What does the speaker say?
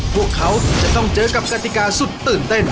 พวกเขาจะต้องเจอกับกติกาสุดตื่นเต้น